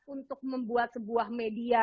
untuk membuat sebuah media